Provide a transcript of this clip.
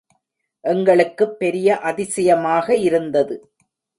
எங்களுக்குப் பெரிய அதிசயமாக இருந்தது.